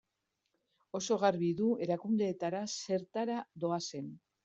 Oso garbi du erakundeetara zertara doazen.